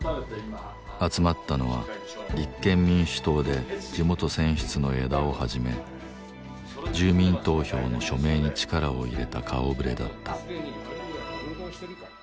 集まったのは立憲民主党で地元選出の江田を始め住民投票の署名に力を入れた顔ぶれだった。